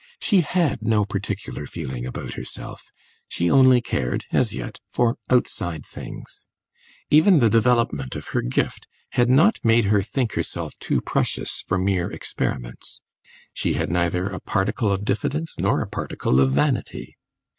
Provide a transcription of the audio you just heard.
She had no particular feeling about herself; she only cared, as yet, for outside things. Even the development of her "gift" had not made her think herself too precious for mere experiments; she had neither a particle of diffidence nor a particle of vanity.